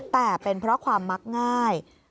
แต่เป็นเพราะความมักง่าย